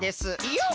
よっ！